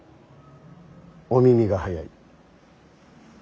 お耳が早い。